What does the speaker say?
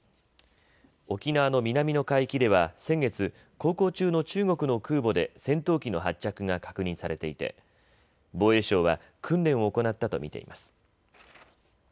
沖縄の南の海域では先月、航行中の中国の空母で戦闘機の発着が確認されていて防衛省は訓練を行ったと見ています。